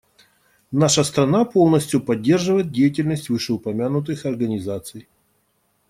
Наша страна полностью поддерживает деятельность вышеупомянутых организаций.